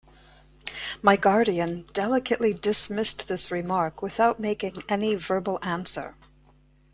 My guardian delicately dismissed this remark without making any verbal answer.